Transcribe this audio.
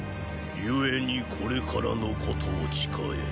故にこれからのことを誓え。